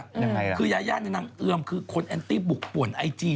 ยังไงคือยายาเนี่ยนางเอือมคือคนแอนตี้บุกป่วนไอจี